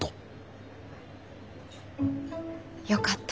よかった。